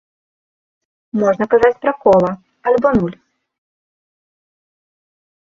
Можна казаць пра кола альбо нуль.